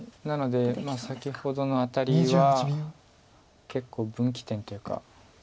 なので先ほどのアタリは結構分岐点というか。